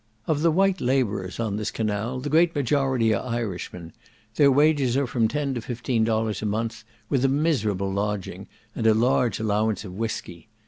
Of the white labourers on this canal, the great majority are Irishmen; their wages are from ten to fifteen dollars a month, with a miserable lodging, and a large allowance of whiskey.